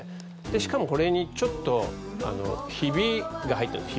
しかも、これにちょっとひびが入っているんです。